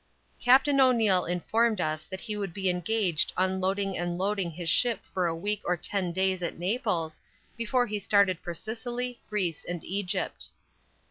Captain O'Neil informed us that he would be engaged unloading and loading his ship for a week or ten days at Naples, before he started for Sicily, Greece and Egypt.